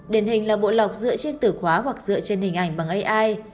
điển hình là bộ lọc dựa trên tử khóa hoặc dựa trên hình ảnh bằng ai